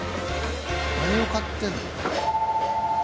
何を買ってるの？